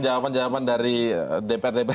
jawaban jawaban dari dprdp